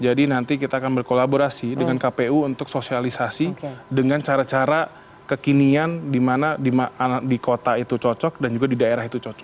jadi nanti kita akan berkolaborasi dengan kpu untuk sosialisasi dengan cara cara kekinian dimana di kota itu cocok dan juga di daerah itu cocok